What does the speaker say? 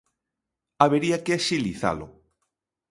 Habería que axilizalo.